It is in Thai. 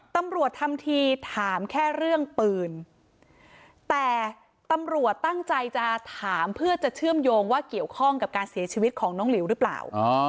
ตำรวจทำทีถามแค่เรื่องปืนแต่ตำรวจตั้งใจจะถามเพื่อจะเชื่อมโยงว่าเกี่ยวข้องกับการเสียชีวิตของน้องหลิวหรือเปล่า